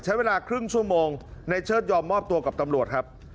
ใช้เวลาครึ่งชั่วโมงในเชิดยอมมอบตัวกับตำรวจครับ